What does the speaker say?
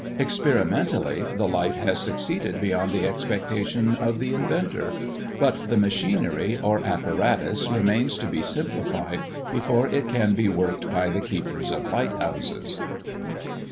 Experimentally, the light has succeeded beyond the expectation of the inventor; but the machinery or apparatus remains to be simplified before it can be worked by the keepers of lighthouses.